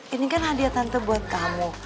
ini kan hadiah tante buat kamu